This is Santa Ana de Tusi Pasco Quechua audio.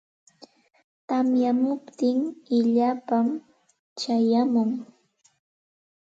Tamyamuptin illapam chayamun.